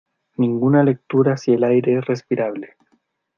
Ninguna lectura si el aire es respirable.